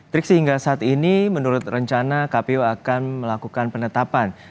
trik sehingga saat ini menurut rencana kpu akan melakukan penetapan